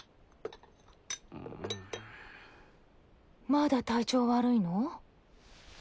まだ体調悪いの？